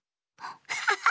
アハハハ。